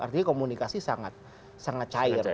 artinya komunikasi sangat cair